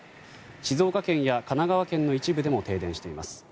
静岡県や神奈川県の一部でも停電しています。